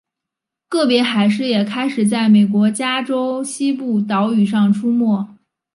个别海狮也开始在美国加州西部岛屿上出没。